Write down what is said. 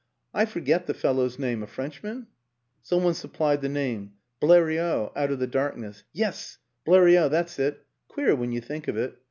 I forget the fellow's name a Frenchman? " Some one supplied the name, " Bleriot," out of the darkness. " Yes, Bleriot that's it. ... Queer when you think of it.